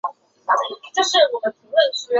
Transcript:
该物种的模式产地在西藏东部。